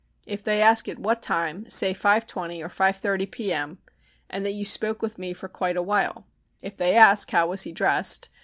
If they ask at what time say 5:20 or 5:30 P.M., and that you spoke with me for quite awhile. If they ask how was he dressed?